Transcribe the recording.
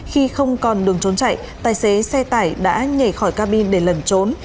khi không còn đường trốn chạy tài xế xe tải đã nhảy khỏi cabin để lẩn trốn